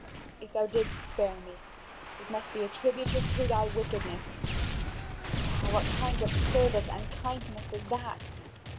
If thou didst spare me, it must be attributed to thy wickedness. Ah, what kind of service and kindness is that!